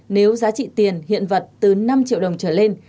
nếu giá trị tiền hiện vật từ năm triệu đồng trở lên